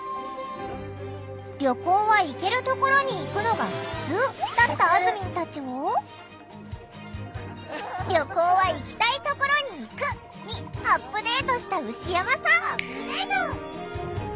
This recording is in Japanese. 「旅行は行けるところに行くのがふつう」だったあずみんたちを「旅行は行きたいところに行く」にアップデートした牛山さん。